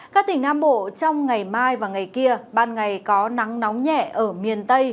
các tỉnh nam bộ trong ngày mai và ngày kia ban ngày có nắng nóng nhẹ ở miền tây